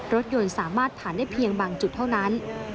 รถยนต์สามารถผ่านได้เพียงบางจุดเท่านั้น